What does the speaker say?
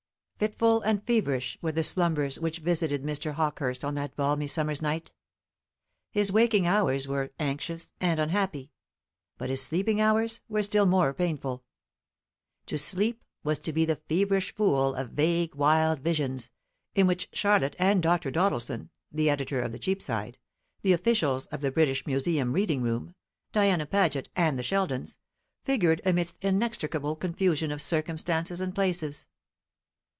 Fitful and feverish were the slumbers which visited Mr. Hawkehurst on that balmy summer's night. His waking hours were anxious and unhappy; but his sleeping hours were still more painful. To sleep was to be the feverish fool of vague wild visions, in which Charlotte and Dr. Doddleson, the editor of the Cheapside, the officials of the British Museum reading room, Diana Paget, and the Sheldons, figured amidst inextricable confusion of circumstances and places.